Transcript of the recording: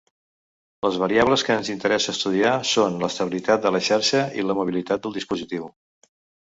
Les variables que ens interessa estudiar són l'estabilitat de la xarxa i la mobilitat del dispositiu.